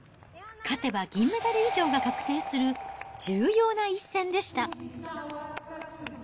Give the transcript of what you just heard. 勝てば銀メダル以上が確定する重要な一戦でした。